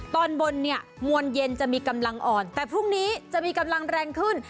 ตอนบนเนี่ยมวลเย็นจะมีกำลังอ่อนแต่พรุ่งนี้จะมีกำลังแรงขึ้น